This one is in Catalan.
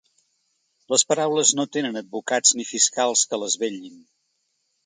Les paraules no tenen advocats ni fiscals que les vetllin.